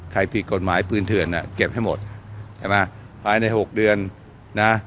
ใครผิดกฎหมายปืนเถื่อนน่ะเก็บให้หมดภายใน๖เดือนนะ